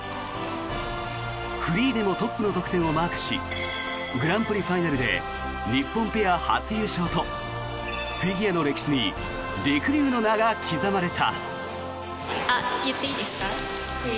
フリーでもトップの得点をマークしグランプリファイナルで日本ペア初優勝とフィギュアの歴史にりくりゅうの名が刻まれた。